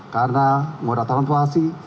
karena ngurah tumplasi